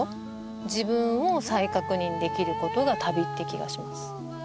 自分を再確認できることが旅って気がします。